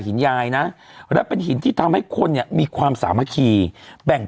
ยายนะและเป็นหินที่ทำให้คนเนี่ยมีความสามัคคีแบ่ง